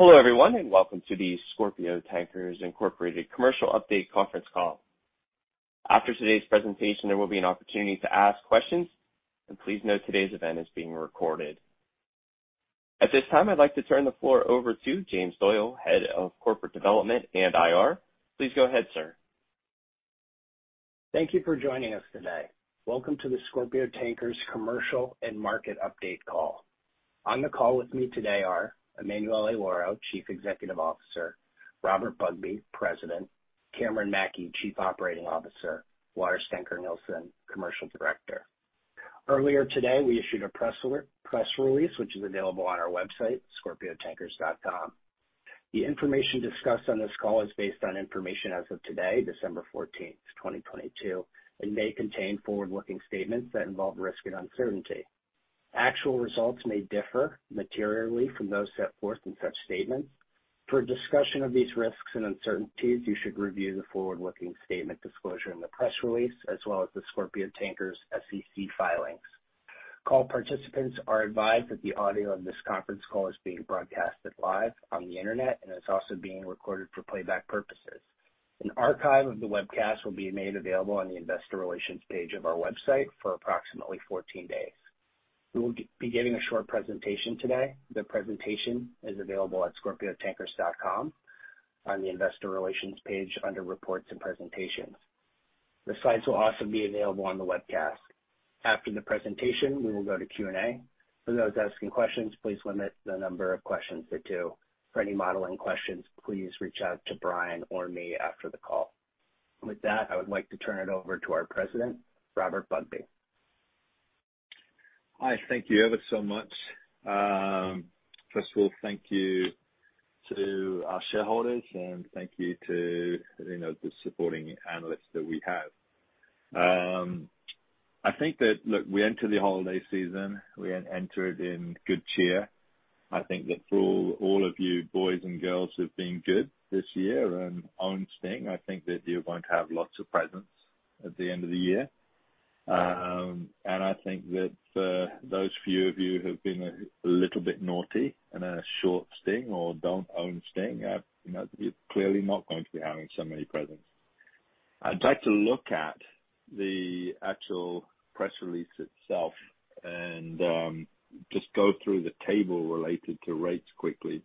Hello everyone, and welcome to the Scorpio Tankers Inc. Commercial Update Conference Call. After today's presentation, there will be an opportunity to ask questions. Please note, today's event is being recorded. At this time, I'd like to turn the floor over to James Doyle, Head of Corporate Development and IR. Please go ahead, sir. Thank you for joining us today. Welcome to the Scorpio Tankers Commercial and Market Update Call. On the call with me today are Emanuele Lauro, Chief Executive Officer, Robert Bugbee, President, Cameron Mackey, Chief Operating Officer, Lars Dencker Nielsen, Commercial Director. Earlier today, we issued a press release which is available on our website, scorpiotankers.com. The information discussed on this call is based on information as of today, December 14th, 2022, and may contain forward-looking statements that involve risk and uncertainty. Actual results may differ materially from those set forth in such statements. For a discussion of these risks and uncertainties, you should review the forward-looking statement disclosure in the press release, as well as the Scorpio Tankers SEC filings. Call participants are advised that the audio of this conference call is being broadcasted live on the Internet and is also being recorded for playback purposes. An archive of the webcast will be made available on the investor relations page of our website for approximately 14 days. We will be giving a short presentation today. The presentation is available at scorpiotankers.com on the investor relations page under Reports and Presentations. The slides will also be available on the webcast. After the presentation, we will go to Q&A. For those asking questions, please limit the number of questions to 2. For any modeling questions, please reach out to Brian or me after the call. I would like to turn it over to our President, Robert Bugbee. Hi. Thank you ever so much. First of all, thank you to our shareholders and thank you to, you know, the supporting analysts that we have. Look, we enter the holiday season, we enter it in good cheer. I think that for all of you boys and girls who've been good this year and own STNG, I think that you're going to have lots of presents at the end of the year. I think that for those few of you who have been a little bit naughty and are short STNG or don't own STNG, you know, you're clearly not going to be having so many presents. I'd like to look at the actual press release itself and just go through the table related to rates quickly.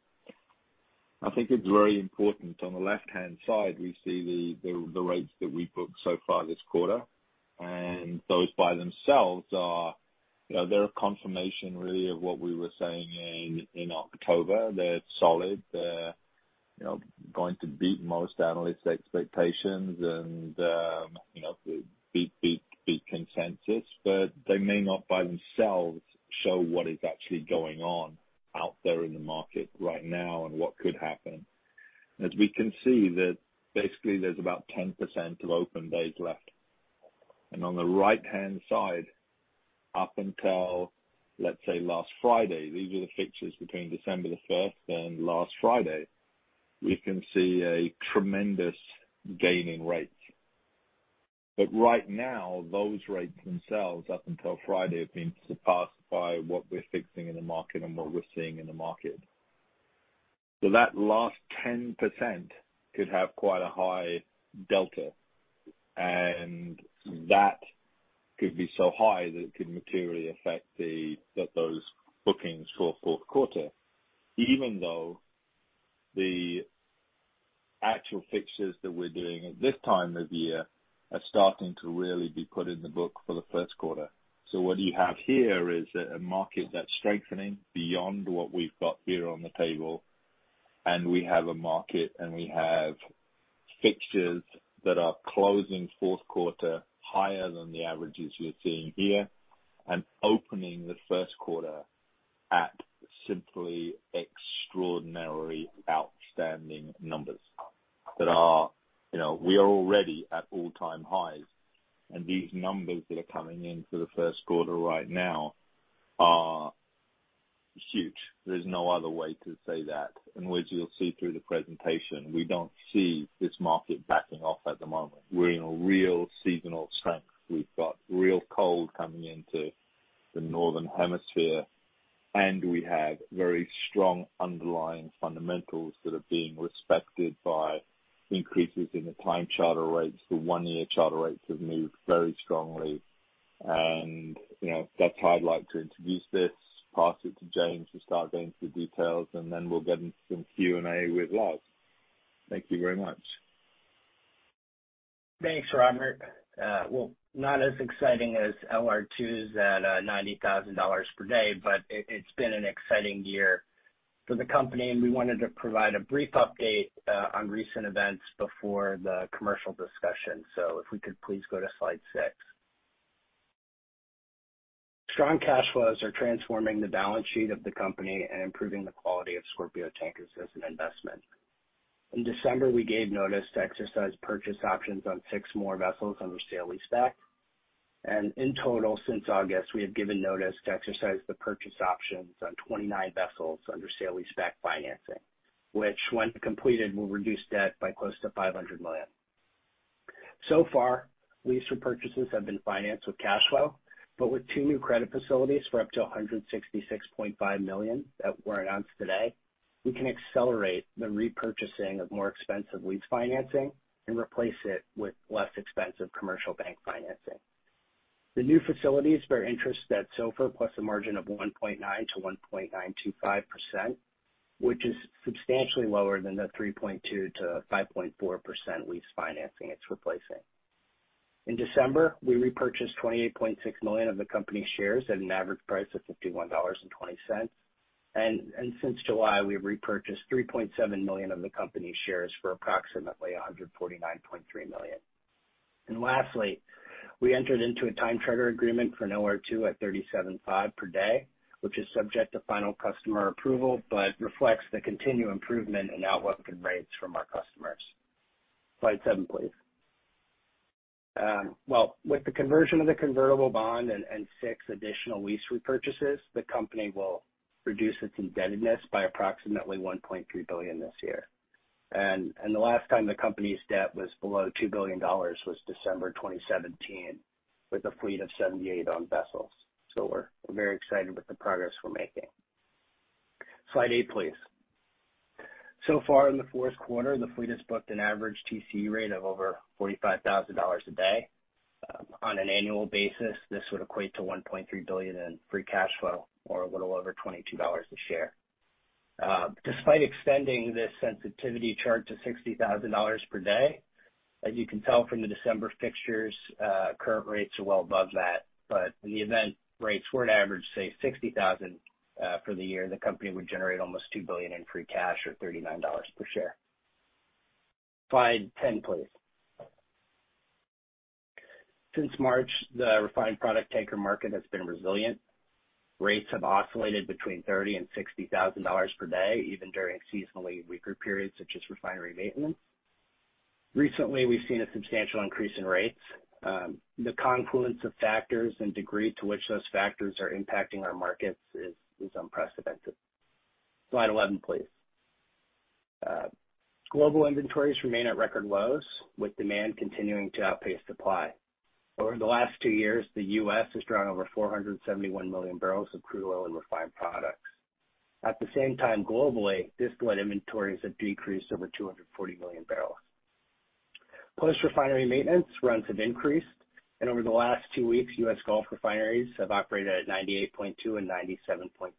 I think it's very important. On the left-hand side, we see the rates that we've booked so far this quarter. Those by themselves are, you know, they're a confirmation really of what we were saying in October. They're solid. They're, you know, going to beat most analysts' expectations and, you know, beat consensus. They may not by themselves show what is actually going on out there in the market right now and what could happen. As we can see that basically there's about 10% of open days left. On the right-hand side, up until, let's say, last Friday, these are the fixes between December 1st and last Friday. We can see a tremendous gain in rates. Right now, those rates themselves, up until Friday, have been surpassed by what we're fixing in the market and what we're seeing in the market. That last 10% could have quite a high delta, and that could be so high that it could materially affect the, those bookings for fourth quarter, even though the actual fixes that we're doing at this time of year are starting to really be put in the book for the first quarter. What you have here is a market that's strengthening beyond what we've got here on the table, and we have a market and we have fixes that are closing fourth quarter higher than the averages you're seeing here, and opening the first quarter at simply extraordinarily outstanding numbers that are. You know, we are already at all-time highs. These numbers that are coming in for the first quarter right now are huge. There's no other way to say that, and which you'll see through the presentation. We don't see this market backing off at the moment. We're in a real seasonal strength. We've got real cold coming into the northern hemisphere. We have very strong underlying fundamentals that are being respected by increases in the time charter rates. The one-year charter rates have moved very strongly. You know, that's how I'd like to introduce this, pass it to James to start going through the details, and then we'll get into some Q&A with Lars. Thank you very much. Thanks, Robert. Well, not as exciting as LR2s at $90,000 per day, but it's been an exciting year for the company, and we wanted to provide a brief update on recent events before the commercial discussion. If we could please go to slide six. Strong cash flows are transforming the balance sheet of the company and improving the quality of Scorpio Tankers as an investment. In December, we gave notice to exercise purchase options on six more vessels under sale-leaseback. In total, since August, we have given notice to exercise the purchase options on 29 vessels under sale-leaseback financing, which when completed, will reduce debt by close to $500 million. So far, lease repurchases have been financed with cash flow. With two new credit facilities for up to $166.5 million that were announced today, we can accelerate the repurchasing of more expensive lease financing and replace it with less expensive commercial bank financing. The new facilities bear interest at SOFR plus a margin of 1.9%-1.925%, which is substantially lower than the 3.2%-5.4% lease financing it's replacing. In December, we repurchased 28.6 million of the company's shares at an average price of $51.20. Since July, we've repurchased 3.7 million of the company's shares for approximately $149.3 million. Lastly, we entered into a time charter agreement for an LR2 at $37,500 per day, which is subject to final customer approval but reflects the continued improvement in outlook and rates from our customers. Slide seven, please. Well, with the conversion of the convertible bond and six additional lease repurchases, the company will reduce its indebtedness by approximately $1.3 billion this year. The last time the company's debt was below $2 billion was December 2017, with a fleet of 78 owned vessels. We're very excited with the progress we're making. Slide eight, please. Far in the fourth quarter, the fleet has booked an average TCE rate of over $45,000 a day. On an annual basis, this would equate to $1.3 billion in free cash flow or a little over $22 a share. Despite extending this sensitivity chart to $60,000 per day, as you can tell from the December fixtures, current rates are well above that. In the event rates were to average, say, $60,000 for the year, the company would generate almost $2 billion in free cash or $39 per share. Slide 10, please. Since March, the refined product tanker market has been resilient. Rates have oscillated between $30,000 and $60,000 per day, even during seasonally weaker periods such as refinery maintenance. Recently, we've seen a substantial increase in rates. The confluence of factors and degree to which those factors are impacting our markets is unprecedented. Slide 11, please. Global inventories remain at record lows, with demand continuing to outpace supply. Over the last 2 years, the US has drawn over 471 million barrels of crude oil and refined products. At the same time, globally, distillate inventories have decreased over 240 million barrels. Post-refinery maintenance, runs have increased, and over the last 2 weeks, US Gulf refineries have operated at 98.2% and 97.3%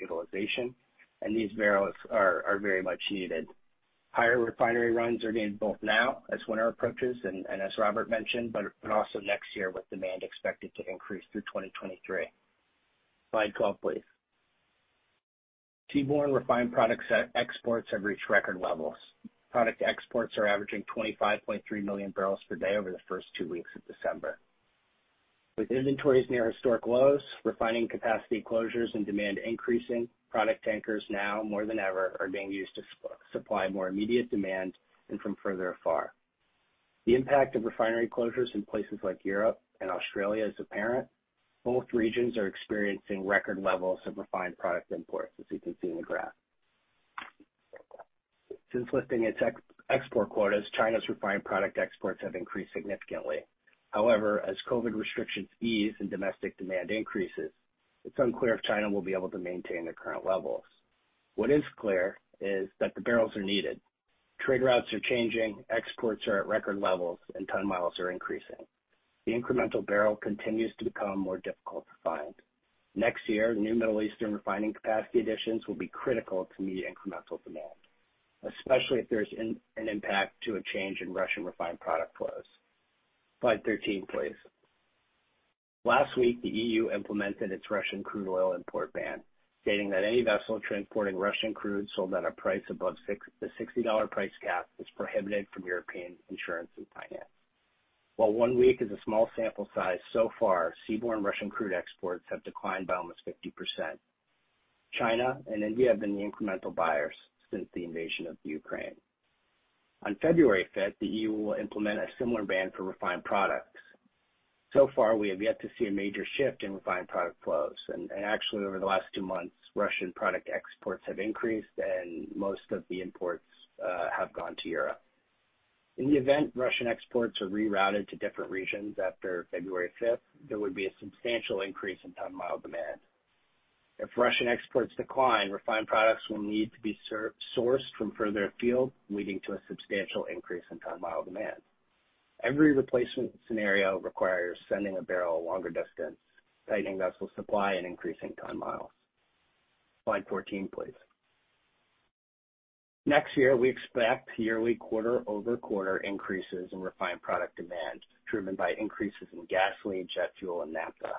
utilization, and these barrels are very much needed. Higher refinery runs are needed both now as winter approaches, and as Robert mentioned, but also next year with demand expected to increase through 2023. Slide 12, please. Seaborne refined products at exports have reached record levels. Product exports are averaging 25.3 million barrels per day over the first 2 weeks of December. With inventories near historic lows, refining capacity closures and demand increasing, product tankers now more than ever are being used to supply more immediate demand and from further afar. The impact of refinery closures in places like Europe and Australia is apparent. Both regions are experiencing record levels of refined product imports, as you can see in the graph. Since lifting its export quotas, China's refined product exports have increased significantly. As COVID restrictions ease and domestic demand increases, it's unclear if China will be able to maintain their current levels. What is clear is that the barrels are needed. Trade routes are changing, exports are at record levels, and ton-miles are increasing. The incremental barrel continues to become more difficult to find. Next year, new Middle Eastern refining capacity additions will be critical to meet incremental demand, especially if there's an impact to a change in Russian refined product flows. Slide 13, please. Last week, the EU implemented its Russian crude oil import ban, stating that any vessel transporting Russian crude sold at a price above the $60 price cap is prohibited from European insurance and finance. While 1 week is a small sample size, so far, seaborne Russian crude exports have declined by almost 50%. China and India have been the incremental buyers since the invasion of Ukraine. On February fifth, the EU will implement a similar ban for refined products. We have yet to see a major shift in refined product flows, and actually, over the last 2 months, Russian product exports have increased, and most of the imports have gone to Europe. In the event Russian exports are rerouted to different regions after February fifth, there would be a substantial increase in ton-mile demand. If Russian exports decline, refined products will need to be sourced from further afield, leading to a substantial increase in ton-mile demand. Every replacement scenario requires sending a barrel a longer distance, tightening vessel supply and increasing ton-miles. Slide 14, please. Next year, we expect yearly quarter-over-quarter increases in refined product demand, driven by increases in gasoline, jet fuel, and naphtha.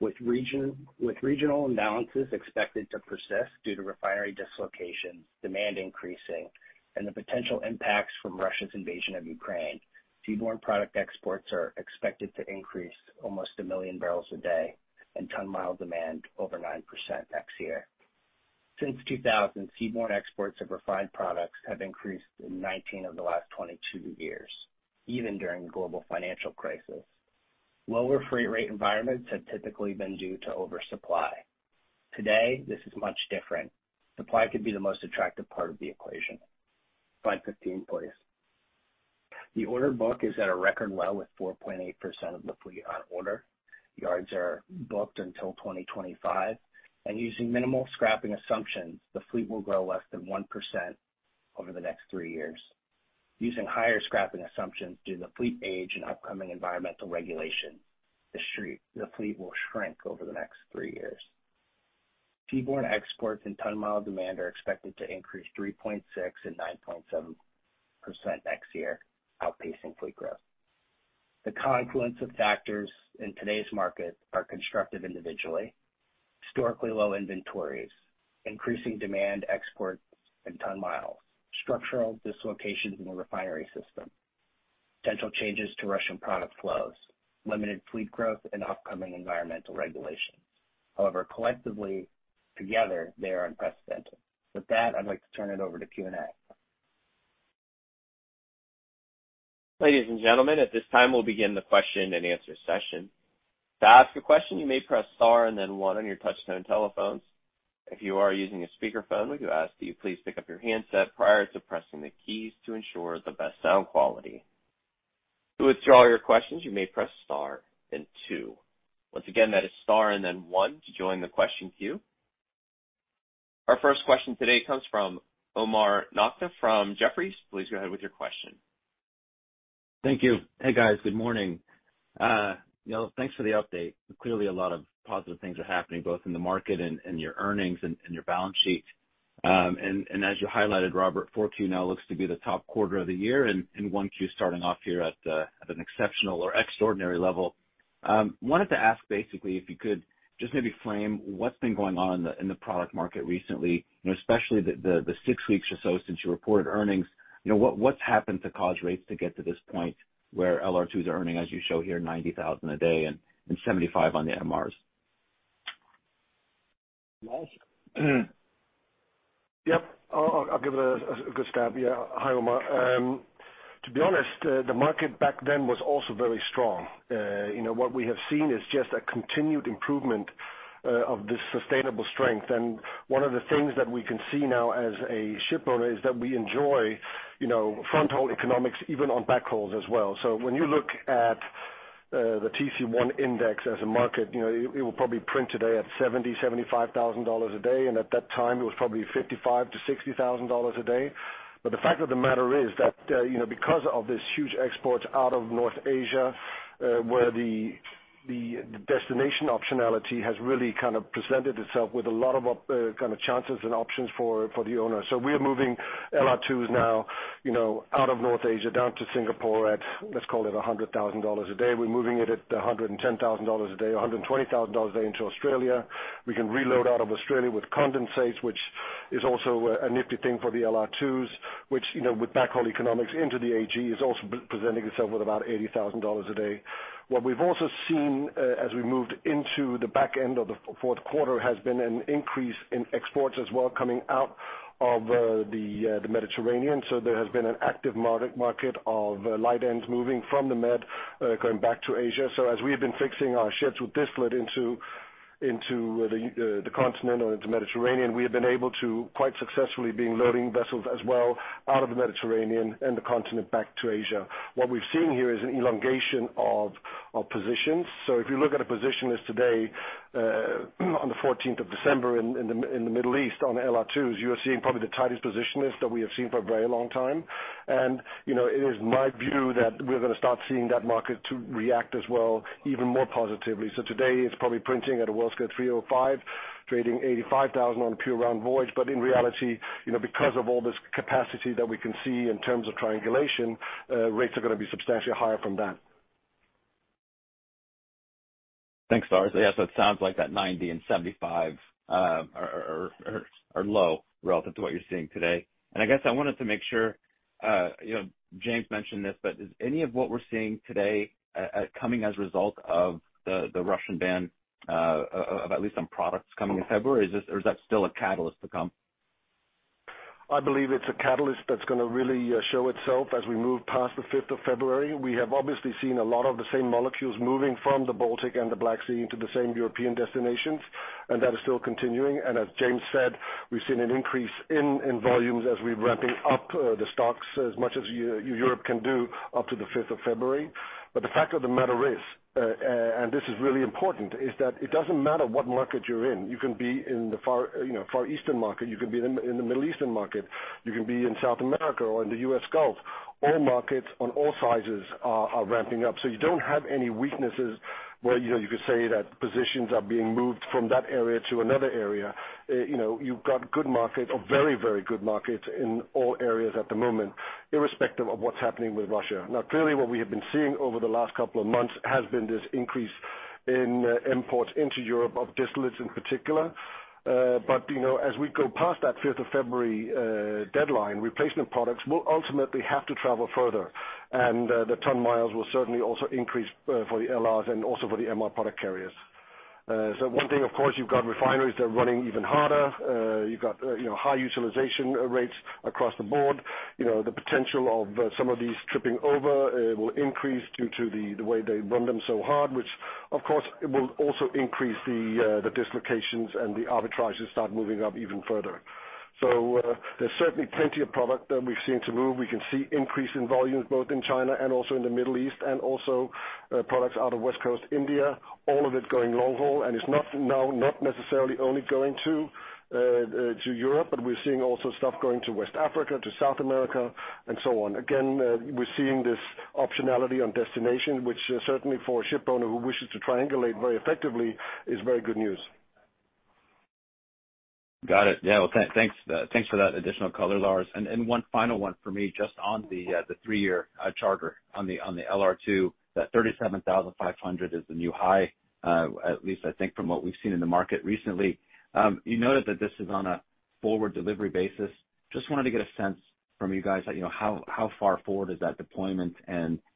With regional imbalances expected to persist due to refinery dislocations, demand increasing, and the potential impacts from Russia's invasion of Ukraine, seaborne product exports are expected to increase almost 1 million barrels a day and ton-mile demand over 9% next year. Since 2000, seaborne exports of refined products have increased in 19 of the last 22 years, even during the global financial crisis. Lower freight rate environments have typically been due to oversupply. Today, this is much different. Supply could be the most attractive part of the equation. Slide 15, please. The order book is at a record low with 4.8% of the fleet on order. Yards are booked until 2025, and using minimal scrapping assumptions, the fleet will grow less than 1% over the next 3 years. Using higher scrapping assumptions due to fleet age and upcoming environmental regulation, the fleet will shrink over the next 3 years. Seaborne exports and ton-mile demand are expected to increase 3.6% and 9.7% next year, outpacing fleet growth. The confluence of factors in today's market are constructive individually, historically low inventories, increasing demand exports and ton-miles, structural dislocations in the refinery system, potential changes to Russian product flows, limited fleet growth and upcoming environmental regulations. Collectively, together, they are unprecedented. With that, I'd like to turn it over to Q&A. Ladies and gentlemen, at this time, we'll begin the question-and-answer session. To ask a question, you may press star and then one on your touch-tone telephones. If you are using a speakerphone, we do ask that you please pick up your handset prior to pressing the keys to ensure the best sound quality. To withdraw your questions, you may press star then two. Once again, that is star and then one to join the question queue. Our first question today comes from Omar Nokta from Jefferies. Please go ahead with your question. Thank you. Hey, guys. Good morning. You know, thanks for the update. Clearly a lot of positive things are happening, both in the market and your earnings and your balance sheet. As you highlighted, Robert, 4Q now looks to be the top quarter of the year, and 1Q starting off here at an exceptional or extraordinary level. Wanted to ask basically, if you could just maybe frame what's been going on in the product market recently, you know, especially the six weeks or so since you reported earnings. You know, what's happened to cause rates to get to this point where LR2s are earning, as you show here, $90,000 a day and $75 on the MRs? Lars? Yep. I'll give it a good stab. Yeah. Hi, Omar. To be honest, the market back then was also very strong. You know, what we have seen is just a continued improvement of this sustainable strength. One of the things that we can see now as a ship owner is that we enjoy, you know, fronthaul economics even on backhauls as well. When you look at the TC1 index as a market, you know, it will probably print today at $70,000-$75,000 a day, and at that time, it was probably $55,000-$60,000 a day. The fact of the matter is that, you know, because of this huge export out of North Asia, where the destination optionality has really kind of presented itself with a lot of kind of chances and options for the owner. We are moving LR2s now, you know, out of North Asia down to Singapore at, let's call it $100,000 a day. We're moving it at $110,000 a day, $120,000 a day into Australia. We can reload out of Australia with condensates, which is also a nifty thing for the LR2s, which, you know, with backhaul economics into the AG, is also presenting itself with about $80,000 a day. What we've also seen, as we moved into the back end of the fourth quarter, has been an increase in exports as well coming out of the Mediterranean. There has been an active market of light ends moving from the Med, going back to Asia. As we have been fixing our ships with distillate into the continent or into Mediterranean, we have been able to quite successfully being loading vessels as well out of the Mediterranean and the continent back to Asia. What we've seen here is an elongation of positions. If you look at a position as today, on the 14th of December in the Middle East on LR2s, you are seeing probably the tightest position list that we have seen for a very long time. You know, it is my view that we're gonna start seeing that market to react as well, even more positively. Today, it's probably printing at a Worldscale 305, trading $85,000 on a pure round voyage. In reality, you know, because of all this capacity that we can see in terms of triangulation, rates are gonna be substantially higher from that. Thanks, Lars. Yeah, it sounds like that 90 and 75 are low relative to what you're seeing today. I guess I wanted to make sure, you know, James mentioned this, but is any of what we're seeing today, coming as a result of the Russian ban, of at least some products coming in February? Or is that still a catalyst to come? I believe it's a catalyst that's gonna really show itself as we move past the 5th of February. We have obviously seen a lot of the same molecules moving from the Baltic and the Black Sea into the same European destinations. That is still continuing. As James said, we've seen an increase in volumes as we're ramping up the stocks as much as Europe can do up to the 5th of February. The fact of the matter is, this is really important, is that it doesn't matter what market you're in. You can be in the, you know, Far Eastern market, you can be in the Middle Eastern market, you can be in South America or in the U.S. Gulf. All markets on all sizes are ramping up. You don't have any weaknesses where, you know, you could say that positions are being moved from that area to another area. You know, you've got good market or very, very good markets in all areas at the moment, irrespective of what's happening with Russia. Clearly what we have been seeing over the last couple of months has been this increase in imports into Europe of distillates in particular. You know, as we go past that fifth of February deadline, replacement products will ultimately have to travel further. The ton miles will certainly also increase for the LRs and also for the MR product carriers. One thing, of course, you've got refineries that are running even harder. You've got, you know, high utilization rates across the board. You know, the potential of some of these tripping over will increase due to the way they run them so hard, which, of course, it will also increase the dislocations and the arbitrages start moving up even further. There's certainly plenty of product that we've seen to move. We can see increase in volumes both in China and also in the Middle East, and also products out of West Coast India, all of it going long haul. It's not now, not necessarily only going to Europe, but we're seeing also stuff going to West Africa, to South America, and so on. We're seeing this optionality on destination, which certainly for a ship owner who wishes to triangulate very effectively, is very good news. Got it. Yeah, well, thanks for that additional color, Lars. One final one for me, just on the three-year charter on the LR2, that $37,500 is the new high, at least I think from what we've seen in the market recently. You noted that this is on a forward delivery basis. Just wanted to get a sense from you guys, like, you know, how far forward is that deployment?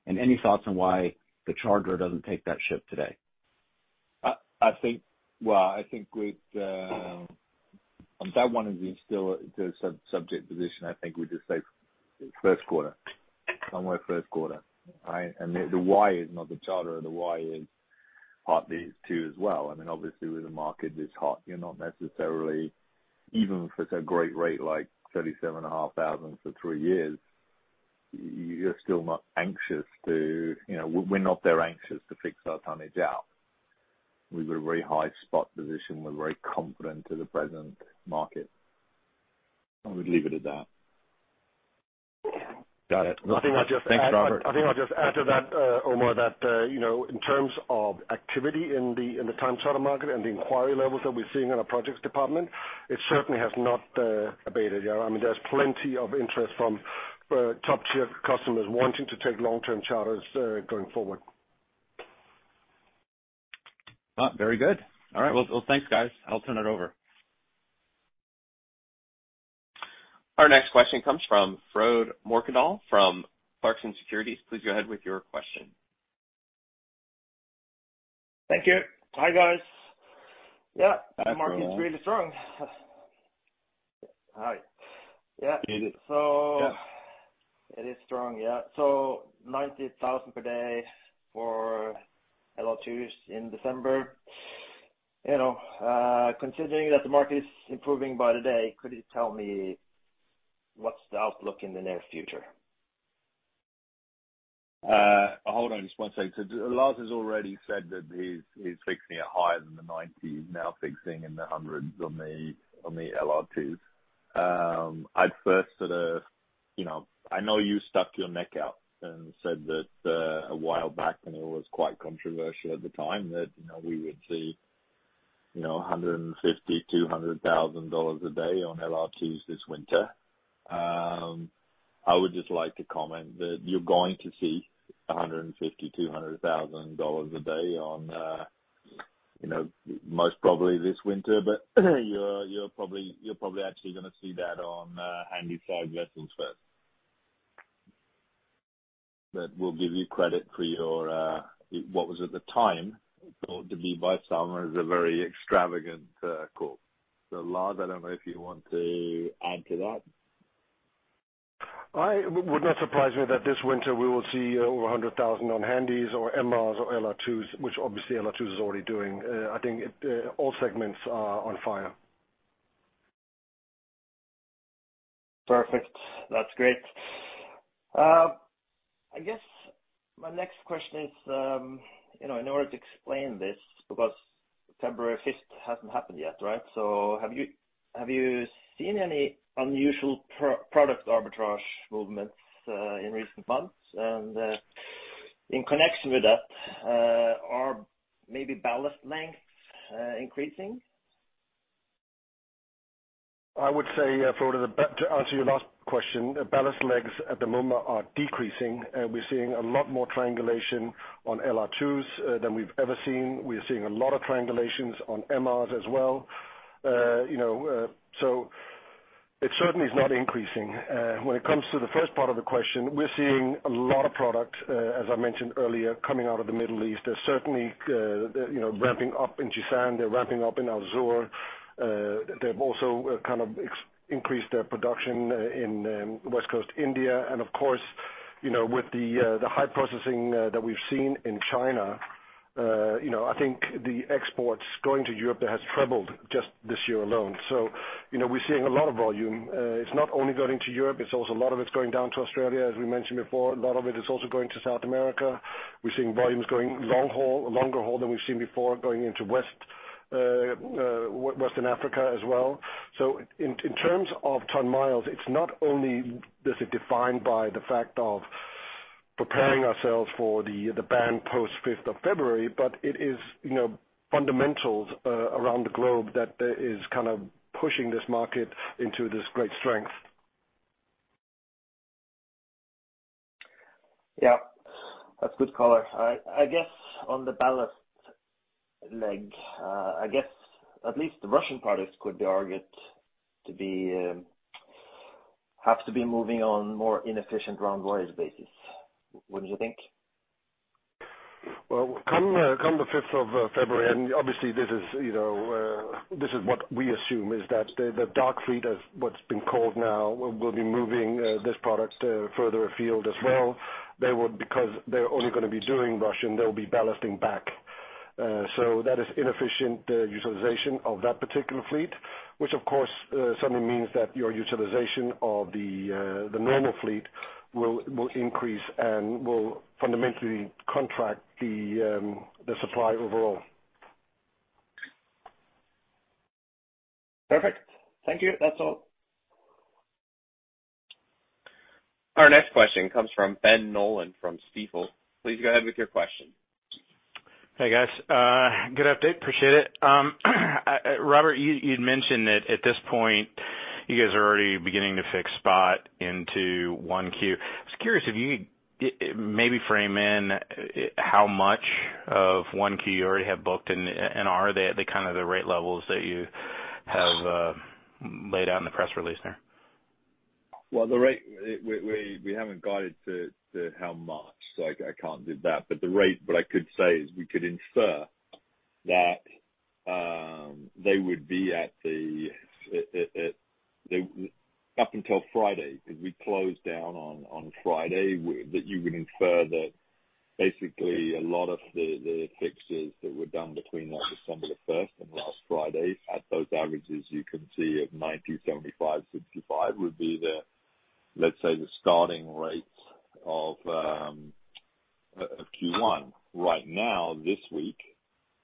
Any thoughts on why the charger doesn't take that ship today? Well, I think with on that one, it is still subject position. I think we just say first quarter, somewhere first quarter. Right? I mean, the why is not the charter, the why is partly it's two as well. I mean, obviously, when the market is hot, you're not necessarily, even if it's a great rate, like $37,500 for three years, you're still not anxious to, you know, we're not there anxious to fix our tonnage out. We've got a very high spot position. We're very confident in the present market. I would leave it at that. Got it. I think I'll just add- Thanks, Robert. I think I'll just add to that, Omar, that, you know, in terms of activity in the, in the time charter market and the inquiry levels that we're seeing in our projects department, it certainly has not abated. Yeah, I mean, there's plenty of interest from top-tier customers wanting to take long-term charters going forward. Very good. All right. Well thanks, guys. I'll turn it over. Our next question comes from Frode Mørkedal from Clarksons Securities. Please go ahead with your question. Thank you. Hi, guys. Yeah. Hi, Frode. The market is really strong. Hi. Yeah. It is. So- Yeah. It is strong, yeah. $90,000 per day for LR2s in December. You know, considering that the market is improving by the day, could you tell me what's the outlook in the near future? Hold on just one second. Lars has already said that he's fixing it higher than the 90, now fixing in the hundreds on the LR2s. I'd first sort of, you know, I know you stuck your neck out and said that a while back, and it was quite controversial at the time, that, you know, we would see, you know, $150,000-$200,000 a day on LR2s this winter. I would just like to comment that you're going to see $150,000-$200,000 a day on, you know, most probably this winter. You're probably actually gonna see that on Handysize vessels first. We'll give you credit for your what was at the time thought to be by some as a very extravagant call. Lars, I don't know if you want to add to that? It would not surprise me that this winter we will see over 100,000 on Handys or MRs or LR2s, which obviously LR2s is already doing. I think all segments are on fire. Perfect. That's great. I guess my next question is, you know, in order to explain this, because February fifth hasn't happened yet, right? Have you seen any unusual pro-product arbitrage movements, in recent months? In connection with that, are maybe ballast lengths, increasing? I would say, Frode, to answer your last question, ballast legs at the moment are decreasing. We're seeing a lot more triangulation on LR2s than we've ever seen. We are seeing a lot of triangulations on MRs as well. You know, it certainly is not increasing. When it comes to the first part of the question, we're seeing a lot of product, as I mentioned earlier, coming out of the Middle East. They're certainly, you know, ramping up in Jizan, they're ramping up in Al-Zour. They've also kind of increased their production in West Coast India. Of course, you know, with the high processing that we've seen in China, you know, I think the exports going to Europe has trebled just this year alone. You know, we're seeing a lot of volume. It's not only going to Europe, it's also a lot of it's going down to Australia, as we mentioned before. A lot of it is also going to South America. We're seeing volumes going long haul, longer haul than we've seen before going into Western Africa as well. In terms of ton-miles, it's not only is it defined by the fact of preparing ourselves for the ban post 5th of February, but it is, you know, fundamentals around the globe that is kind of pushing this market into this great strength. Yeah, that's good color. I guess on the ballast leg, I guess at least the Russian products could be argued to be have to be moving on more inefficient round voyage basis. Wouldn't you think? Well, come the 5th of February, and obviously this is, you know, this is what we assume, is that the dark fleet, as what's been called now, will be moving, this product, further afield as well. They would, because they're only gonna be doing Russian, they'll be ballasting back. That is inefficient utilization of that particular fleet, which of course, suddenly means that your utilization of the normal fleet will increase and will fundamentally contract the supply overall. Perfect. Thank you. That's all. Our next question comes from Ben Nolan from Stifel. Please go ahead with your question. Hey guys. good update. Appreciate it. Robert, you'd mentioned that at this point, you guys are already beginning to fix spot into 1Q. I was curious if you could maybe frame in how much of 1Q you already have booked and are they at the kind of the rate levels that you have laid out in the press release there? Well, the rate, we haven't guided to how much, so I can't do that. The rate what I could say is we could infer that they would be at the up until Friday, because we closed down on Friday, that you would infer that basically a lot of the fixes that were done between like December 1st and last Friday, at those averages you can see of 90, 75, 65 would be the, let's say, the starting rates of Q1. Right now, this week,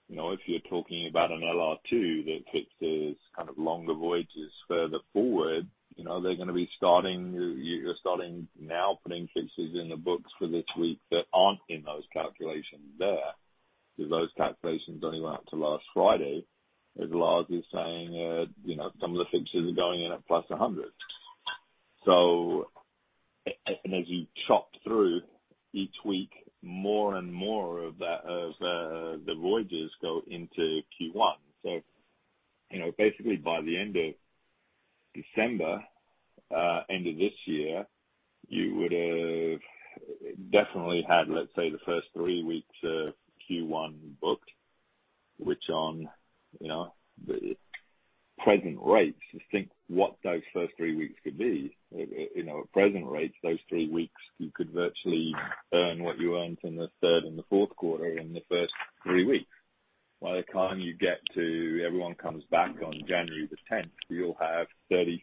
you know, if you're talking about an LR2 that fixes kind of longer voyages further forward, you know, they're gonna be starting, you're starting now putting fixes in the books for this week that aren't in those calculations there, because those calculations only went out to last Friday. As Lars is saying, you know, some of the fixes are going in at plus 100. And as you chop through each week, more and more of that, the voyages go into Q1. You know, basically by the end of December, end of this year, you would have definitely had, let's say, the first three weeks of Q1 booked, which on, you know, the present rates, just think what those first three weeks could be. You know, at present rates, those three weeks you could virtually earn what you earned in the third and fourth quarter in the first three weeks. By the time you get to everyone comes back on January the 10th, you'll have 33%-35%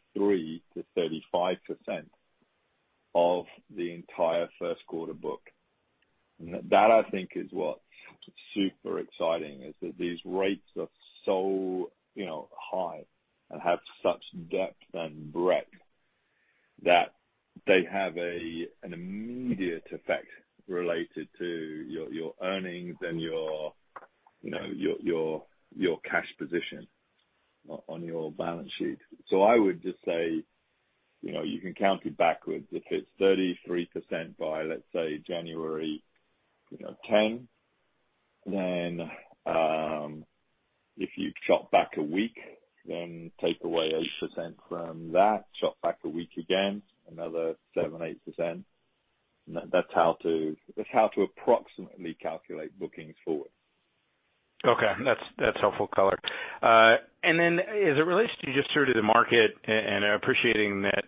of the entire first quarter booked. That I think is what's super exciting, is that these rates are so, you know, high and have such depth and breadth that they have an immediate effect related to your earnings and your cash position on your balance sheet. I would just say, you know, you can count it backwards. If it's 33% by, let's say, January 10, then, if you chop back a week, then take away 8% from that, chop back a week again, another 7%, 8%. That's how to approximately calculate bookings forward. Okay. That's, that's helpful color. As it relates to just sort of the market and appreciating that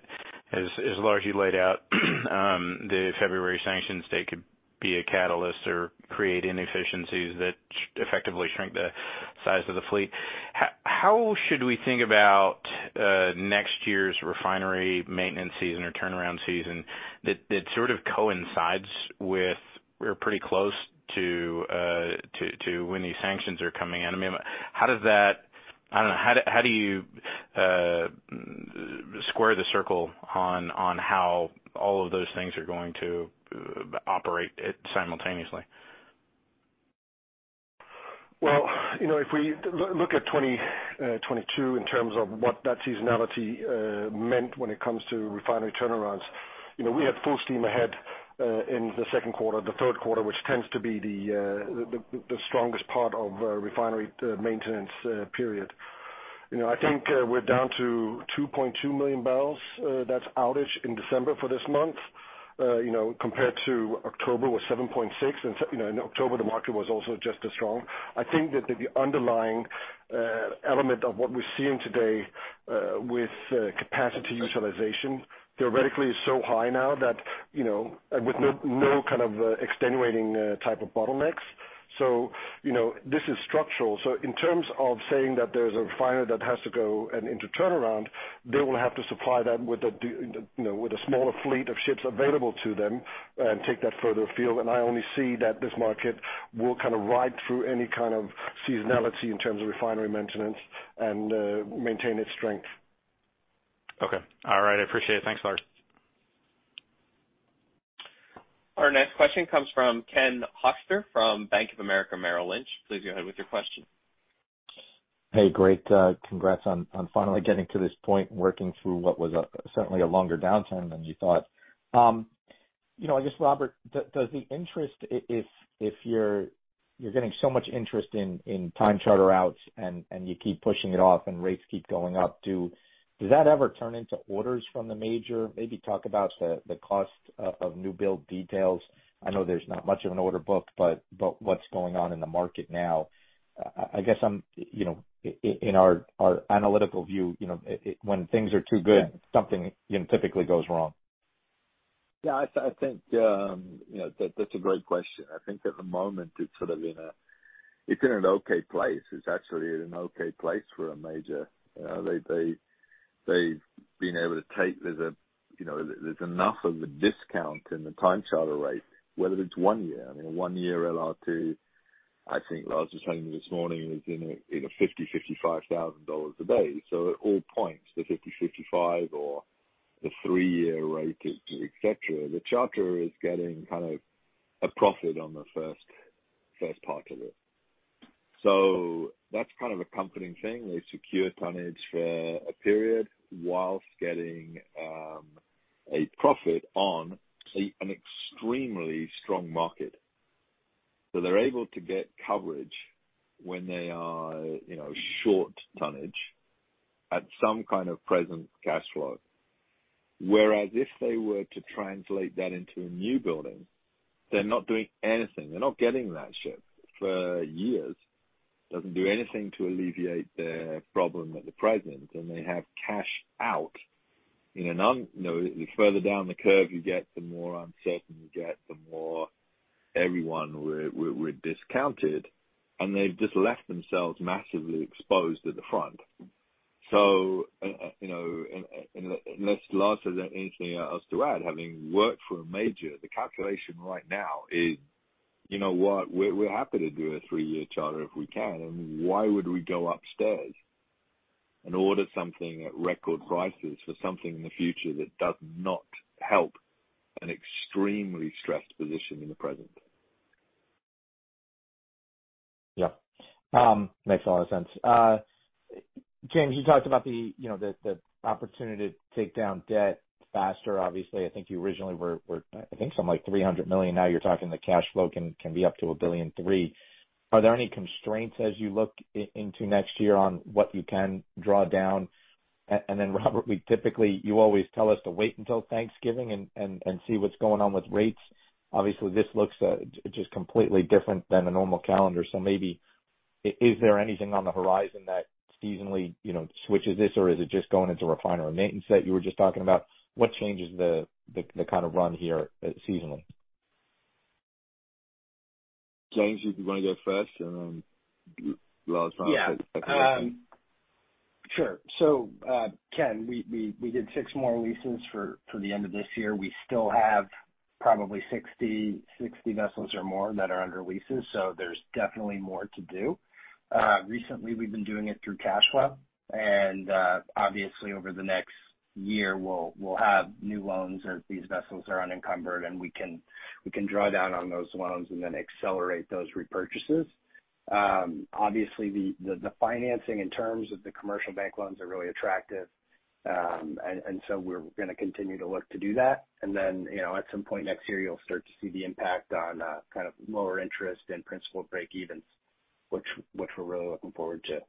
as Lars, you laid out, the February sanctions date could be a catalyst or create inefficiencies that effectively shrink the size of the fleet. How should we think about next year's refinery maintenance season or turnaround season that sort of coincides with or pretty close to when these sanctions are coming in? I mean, how does that... I don't know, how do you square the circle on how all of those things are going to operate simultaneously? Well, you know, if we look at 2022 in terms of what that seasonality meant when it comes to refinery turnarounds, you know, we had full steam ahead in the second quarter, third quarter, which tends to be the strongest part of refinery maintenance period. You know, I think we're down to 2.2 million barrels that's outage in December for this month. You know, compared to October was 7.6, you know, in October, the market was also just as strong. I think that the underlying element of what we're seeing today with capacity utilization theoretically is so high now that, you know, with no kind of extenuating type of bottlenecks. You know, this is structural. In terms of saying that there's a refinery that has to go and into turnaround, they will have to supply that with a you know, with a smaller fleet of ships available to them and take that further afield. I only see that this market will kind of ride through any kind of seasonality in terms of refinery maintenance and maintain its strength. Okay. All right. I appreciate it. Thanks, Lars. Our next question comes from Ken Hoexter from Bank of America Merrill Lynch. Please go ahead with your question. Hey, great, congrats on finally getting to this point, working through what was certainly a longer downturn than you thought. You know, I guess, Robert, does the interest, if you're getting so much interest in time charter outs and you keep pushing it off and rates keep going up to... Does that ever turn into orders from the major? Maybe talk about the cost of new build details. I know there's not much of an order book, but what's going on in the market now? I guess I'm, you know, in our analytical view, you know, when things are too good, something, you know, typically goes wrong. Yeah, I think, you know, that's a great question. I think at the moment it's sort of in a, it's in an okay place. It's actually in an okay place for a major. They've been able to take. There's a, you know, there's enough of a discount in the time charter rate, whether it's one year, I mean, one year LR2, I think Lars was telling me this morning, is in a, in a $50,000-$55,000 a day. At all points, the $50,000-$55,000 or the three-year rate, et cetera, the charter is getting kind of a profit on the first part of it. That's kind of a comforting thing. They secure tonnage for a period whilst getting a profit on an extremely strong market. They're able to get coverage when they are, you know, short tonnage at some kind of present cash flow. Whereas if they were to translate that into a new building, they're not doing anything. They're not getting that ship for years. Doesn't do anything to alleviate their problem at the present, and they have cash out. You know, you know, the further down the curve you get, the more uncertain you get, the more everyone were discounted, and they've just left themselves massively exposed at the front. You know, unless Lars has anything else to add, having worked for a major, the calculation right now is, you know what, we're happy to do a 3-year charter if we can. Why would we go upstairs and order something at record prices for something in the future that does not help an extremely stressed position in the present? Yeah. Makes a lot of sense. James, you talked about the, you know, the opportunity to take down debt faster. Obviously, I think you originally were, I think something like $300 million. Now you're talking the cash flow can be up to $1.3 billion. Are there any constraints as you look into next year on what you can draw down? Robert, we typically... You always tell us to wait until Thanksgiving and see what's going on with rates. Obviously, this looks just completely different than a normal calendar. Maybe is there anything on the horizon that seasonally, you know, switches this, or is it just going into refinery maintenance that you were just talking about? What changes the kind of run here seasonally? James, if you wanna go first and then Lars. Yeah. Wanna take the second. Sure. Ken, we did 6 more leases for the end of this year. We still have probably 60 vessels or more that are under leases, so there's definitely more to do. Recently we've been doing it through cash flow. Obviously over the next year we'll have new loans as these vessels are unencumbered, and we can draw down on those loans and then accelerate those repurchases. Obviously the financing in terms of the commercial bank loans are really attractive. We're gonna continue to look to do that. You know, at some point next year you'll start to see the impact on kind of lower interest and principal break evens, which we're really looking forward to.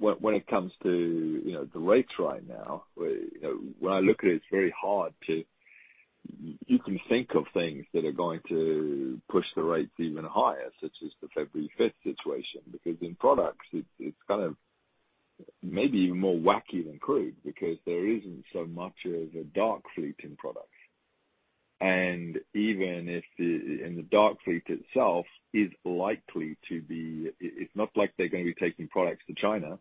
Well, when it comes to, you know, the rates right now. You know, when I look at it's very hard to. You can think of things that are going to push the rates even higher, such as the February 5th situation. Because in products it's kind of maybe even more wacky than crude because there isn't so much of a dark fleet in products. The dark fleet itself is likely to be. It's not like they're gonna be taking products to China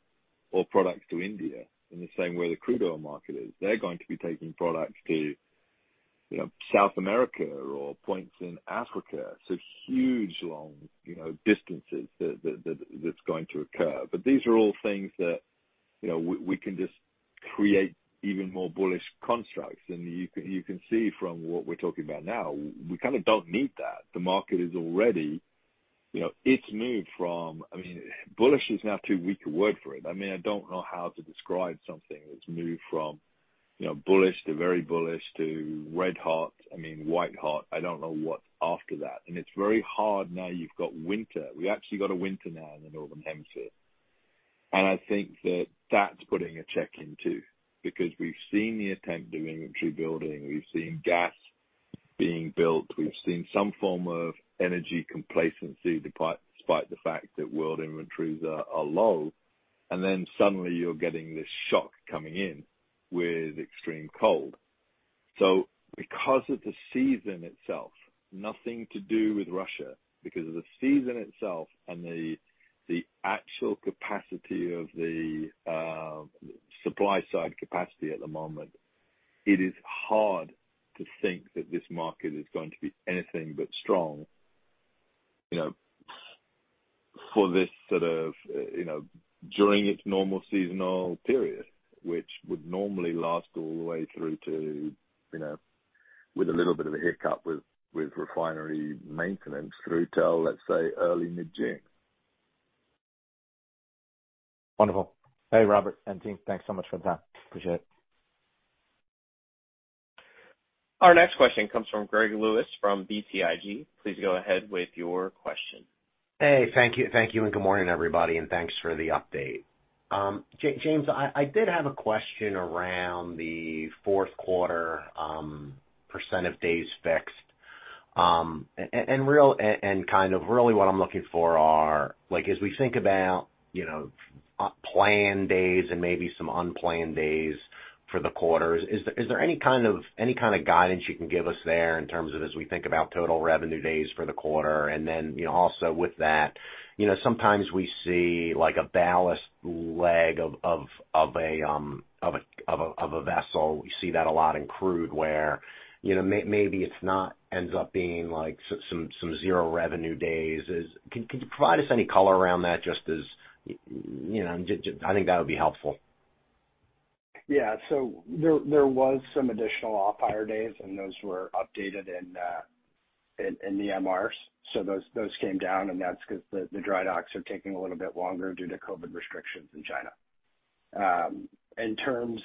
or products to India in the same way the crude oil market is. They're going to be taking products to, you know, South America or points in Africa, so huge long, you know, distances that's going to occur. These are all things that, you know, we can just create even more bullish constructs. You can see from what we're talking about now, we kind of don't need that. The market is already... You know, it's moved from... I mean, bullish is now too weak a word for it. I mean, I don't know how to describe something that's moved from, you know, bullish to very bullish to red hot, I mean, white hot. I don't know what's after that. It's very hard now you've got winter. We actually got a winter now in the Northern Hemisphere. I think that that's putting a check in too, because we've seen the attempt of inventory building, we've seen gas being built. We've seen some form of energy complacency despite the fact that world inventories are low, and then suddenly you're getting this shock coming in with extreme cold. Because of the season itself, nothing to do with Russia, because of the season itself and the actual capacity of the supply side capacity at the moment, it is hard to think that this market is going to be anything but strong, you know, for this sort of, you know, during its normal seasonal period, which would normally last all the way through to, you know, with a little bit of a hiccup with refinery maintenance through to, let's say, early mid-June. Wonderful. Hey, Robert and team, thanks so much for the time. Appreciate it. Our next question comes from Greg Lewis from BTIG. Please go ahead with your question. Hey. Thank you. Thank you, and good morning, everybody, and thanks for the update. James, I did have a question around the fourth quarter, % of days fixed. Kind of really what I'm looking for are, like, as we think about, you know, planned days and maybe some unplanned days for the quarters, is there any kind of guidance you can give us there in terms of as we think about total revenue days for the quarter? Then, you know, also with that, you know, sometimes we see like a ballast leg of a vessel. We see that a lot in crude where, you know, maybe it's not ends up being like some zero revenue days. Could you provide us any color around that just as, you know, just, I think that would be helpful. Yeah. There was some additional off-hire days, and those were updated in the MRs. Those came down, and that's 'cause the dry docks are taking a little bit longer due to COVID restrictions in China. In terms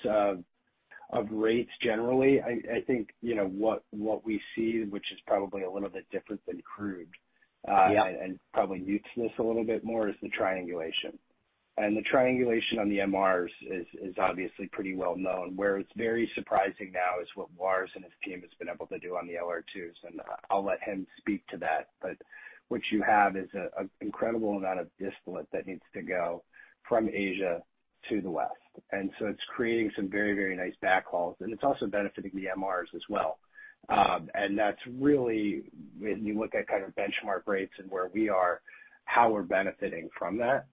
of rates, generally, I think, you know, what we see, which is probably a little bit different than crude. Yeah and probably mutes this a little bit more is the triangulation. The triangulation on the MRs is obviously pretty well known. Where it's very surprising now is what Lars and his team has been able to do on the LR2s, and I'll let him speak to that. What you have is an incredible amount of distillate that needs to go from Asia to the West. It's creating some very, very nice backhauls, and it's also benefiting the MRs as well. That's really when you look at kind of benchmark rates and where we are, how we're benefiting from that.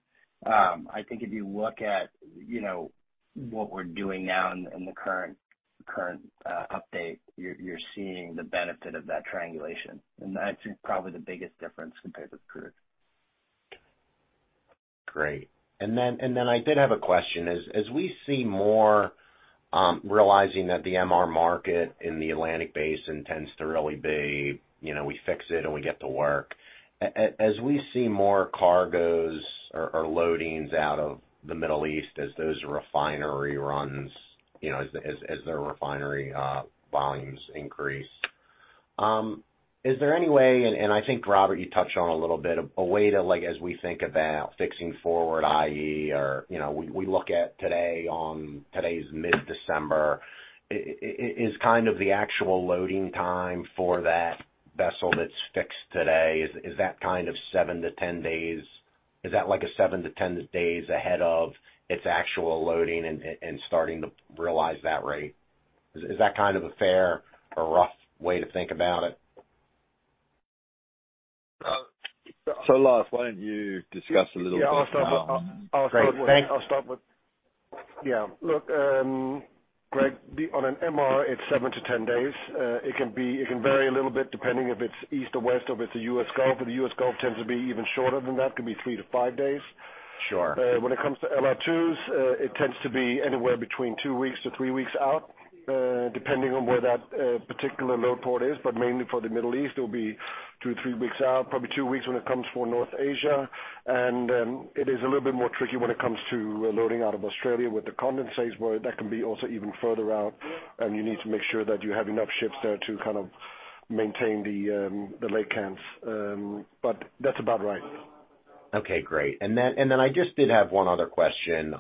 I think if you look at, you know, what we're doing now in the current update, you're seeing the benefit of that triangulation. That's probably the biggest difference compared with crude. Great. Then I did have a question. As we see more, realizing that the MR market in the Atlantic Basin tends to really be, you know, we fix it and we get to work. As we see more cargoes or loadings out of the Middle East as their refinery volumes increase, is there any way, and I think, Robert, you touched on a little bit, a way to like as we think about fixing forward, i.e., or, you know, we look at today on today's mid-December, is kind of the actual loading time for that vessel that's fixed today, is that kind of 7-10 days? Is that like a 7-10 days ahead of its actual loading and starting to realize that rate? Is that kind of a fair or rough way to think about it? Lars, why don't you discuss a little bit about. Yeah. I'll start with. Great. Thank you. I'll start with. Yeah. Look, Greg, on an MR, it's 7 to 10 days. It can vary a little bit depending if it's east or west or if it's the U.S. Gulf, but the U.S. Gulf tends to be even shorter than that, could be 3 to 5 days. Sure. When it comes to LR2s, it tends to be anywhere between 2 weeks to 3 weeks out, depending on where that particular load port is, but mainly for the Middle East, it'll be 2 to 3 weeks out, probably 2 weeks when it comes for North Asia. It is a little bit more tricky when it comes to loading out of Australia with the condensates, where that can be also even further out, and you need to make sure that you have enough ships there to kind of maintain the laycans. That's about right. Okay, great. I just did have one other question,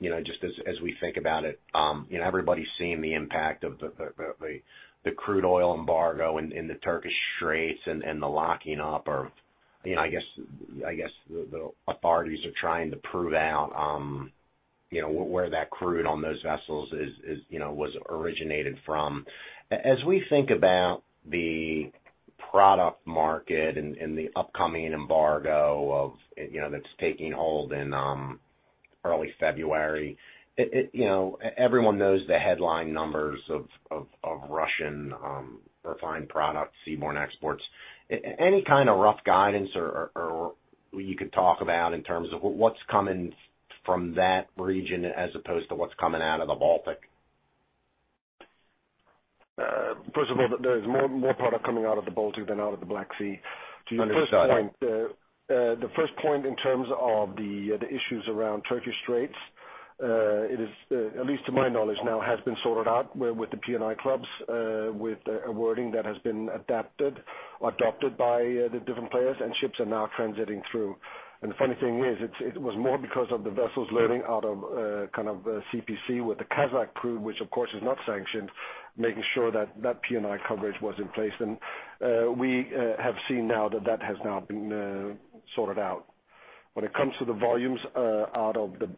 you know, just as we think about it. Everybody's seeing the impact of the crude oil embargo in the Turkish Straits and the locking up or, you know, I guess the authorities are trying to prove out, you know, where that crude on those vessels is, you know, was originated from. As we think about the product market and the upcoming embargo of, you know, that's taking hold in early February, it, you know, everyone knows the headline numbers of Russian refined products, seaborne exports. Any kind of rough guidance or you could talk about in terms of what's coming from that region as opposed to what's coming out of the Baltic? First of all, there's more product coming out of the Baltic than out of the Black Sea. Understood. The first point in terms of the issues around Turkish Straits, it is at least to my knowledge now has been sorted out where with the P&I clubs, with a wording that has been adapted or adopted by the different players and ships are now transiting through. The funny thing is, it was more because of the vessels loading out of CPC with the Kazakh crude, which of course is not sanctioned, making sure that that P&I coverage was in place. We have seen now that that has now been sorted out. When it comes to the volumes out of the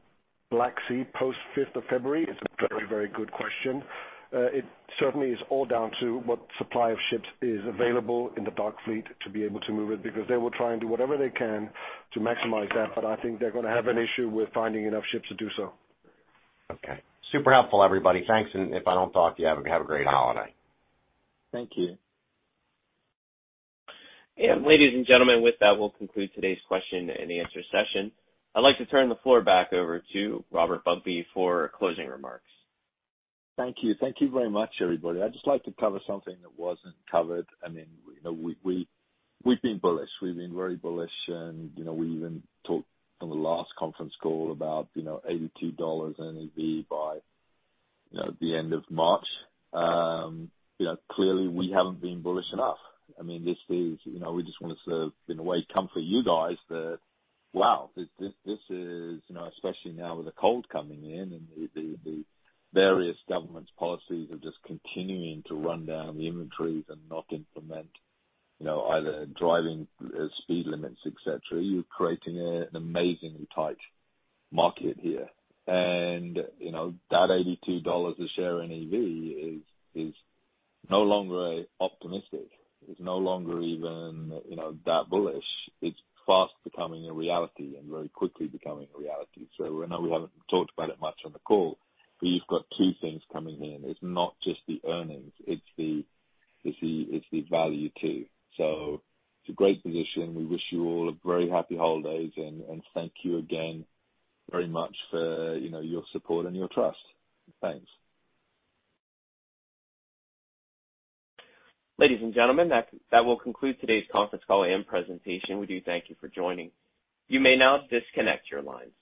Black Sea post fifth of February, it's a very, very good question. It certainly is all down to what supply of ships is available in the dark fleet to be able to move it because they will try and do whatever they can to maximize that, but I think they're gonna have an issue with finding enough ships to do so. Okay. Super helpful, everybody. Thanks. If I don't talk to you, have a great holiday. Thank you. Ladies and gentlemen, with that, we'll conclude today's question and answer session. I'd like to turn the floor back over to Robert Bugbee for closing remarks. Thank you. Thank you very much, everybody. I'd just like to cover something that wasn't covered. I mean, you know, we've been bullish. We've been very bullish and, you know, we even talked on the last conference call about, you know, $82 NAV by, you know, the end of March. You know, clearly we haven't been bullish enough. I mean, this is, you know, we just wanna sort of, in a way, comfort you guys that, wow, this is, you know, especially now with the cold coming in and the various governments' policies of just continuing to run down the inventories and not implement, you know, either driving speed limits, et cetera, you're creating an amazingly tight market here. That $82 a share in EV is no longer optimistic. It's no longer even, you know, that bullish. It's fast becoming a reality and very quickly becoming a reality. I know we haven't talked about it much on the call, but you've got two things coming in. It's not just the earnings, it's the value too. It's a great position. We wish you all a very happy holidays, and thank you again very much for, you know, your support and your trust. Thanks. Ladies and gentlemen, that will conclude today's conference call and presentation. We do thank you for joining. You may now disconnect your lines.